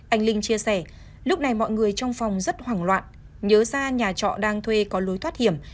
anh linh chia sẻ lúc này mọi người trong phòng rất hoảng loạn nhớ ra nhà trọ đang thuê có lối thoát hiểm